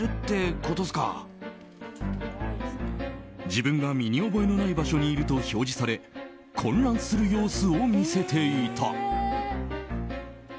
自分が身に覚えのない場所にいると表示され混乱する様子を見せていた。